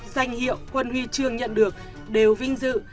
danh hiệu quân huy trường nhận được đều vinh dự